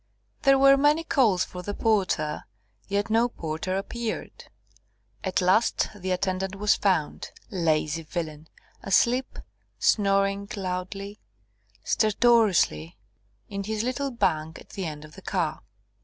There were many calls for the porter, yet no porter appeared. At last the attendant was found lazy villain! asleep, snoring loudly, stertorously, in his little bunk at the end of the car.